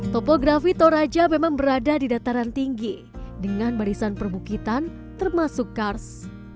topografi toraja memang berada di dataran tinggi dengan barisan perbukitan termasuk kars